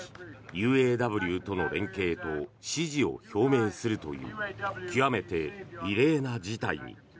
ＵＡＷとの連携と支持を表明するという極めて異例な事態に。